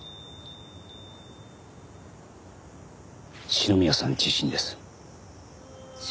篠宮さん自身です。